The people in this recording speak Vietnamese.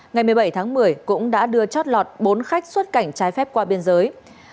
ngày một mươi bảy tháng một mươi cũng đã đưa chót lọt bốn khách xuất cảnh trái phép qua biên giới